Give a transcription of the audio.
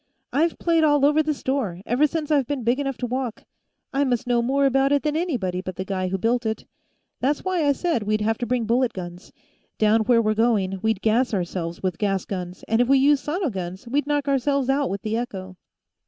"I've played all over the store, ever since I've been big enough to walk; I must know more about it than anybody but the guy who built it. That's why I said we'd have to bring bullet guns; down where we're going, we'd gas ourselves with gas guns, and if we used sono guns, we'd knock ourselves out with the echo."